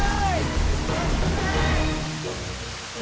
eh saya gak jauh masuk